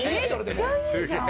めっちゃいいじゃん。